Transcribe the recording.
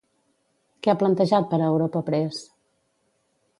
Què ha plantejat per a Europa Press?